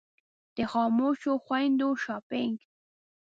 د خاموشو خویندو شاپنګ.